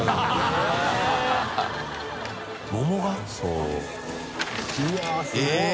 うわぁすごい！